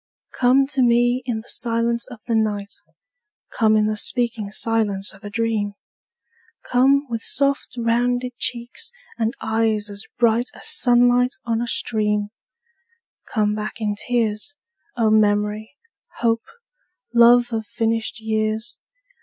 Come to me in the silence of the night; Come in the speaking silence of a dream; Come with soft rounded cheeks and eyes as bright As sunlight on a stream; Come back in tears, O memory, hope, love of finished years.